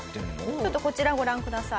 ちょっとこちらをご覧ください。